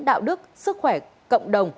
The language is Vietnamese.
đạo đức sức khỏe cộng đồng